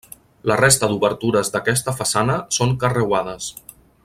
La resta d'obertures d'aquesta façana són carreuades.